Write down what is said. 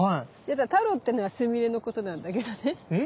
太郎ってのはスミレのことなんだけどね。